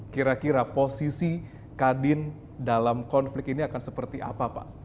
kira kira posisi kadin dalam konflik ini akan seperti apa pak